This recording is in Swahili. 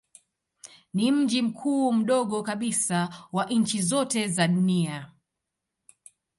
Ni mji mkuu mdogo kabisa wa nchi zote za dunia.